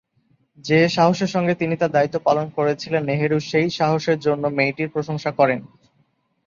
যে সাহসের সঙ্গে তিনি তার দায়িত্ব পালন করেছিলেন, নেহরু সেই সাহসের জন্য মেয়েটির প্রশংসা করেন।